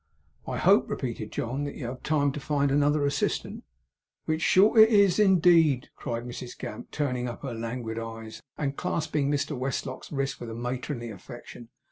'I hope,' repeated John, 'that you have time to find another assistant?' 'Which short it is, indeed,' cried Mrs Gamp, turning up her languid eyes, and clasping Mr Westlock's wrist with matronly affection.